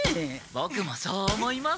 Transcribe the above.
ボクもそう思います。